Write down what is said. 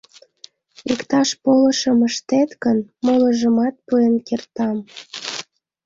— Иктаж полышым ыштет гын, молыжымат пуэн кертам.